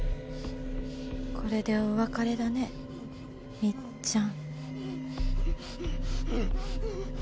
これでお別れだねみっちゃん。